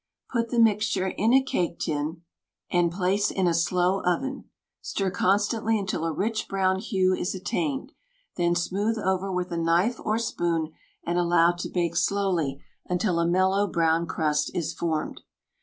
Put the mixture in a cake tin and place in a slow oven. Stir constantly until a rich brown hue is attained, then smooth over with a knife or spoon and allow to bake slowly until a mellow brown crust is formed.